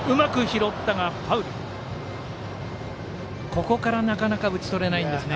ここから、なかなか打ち取れないんですね